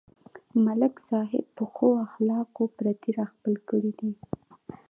ملک صاحب په ښو اخلاقو پردي راخپل کړي دي.